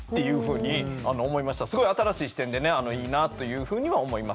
すごい新しい視点でねいいなというふうには思います。